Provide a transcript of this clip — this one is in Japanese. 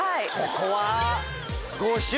ここは。